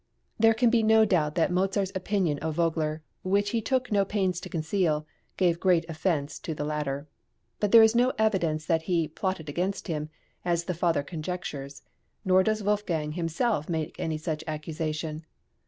There can be no doubt that Mozart's opinion of Vogler, which he took no pains to conceal, gave great offence to the latter; but there is no evidence that he "plotted against him," as the father conjectures, nor does Wolfgang himself make any such accusation.